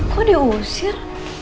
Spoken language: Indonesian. kok dia usir